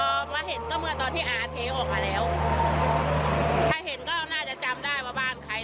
พอมาเห็นก็เมื่อตอนที่อาเทออกมาแล้วถ้าเห็นก็น่าจะจำได้ว่าบ้านใคร